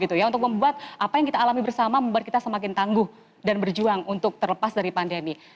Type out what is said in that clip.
untuk membuat apa yang kita alami bersama membuat kita semakin tangguh dan berjuang untuk terlepas dari pandemi